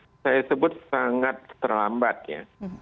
ya makanya itu saya sebut sangat terlambat ya